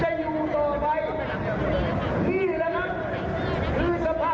ถ้าคุณรอดจากและมีปลายไม่ไหววันใด